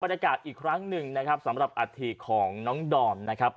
กาศอีกครั้งหนึ่งนะครับสำหรับอัฐิของน้องดอมนะครับ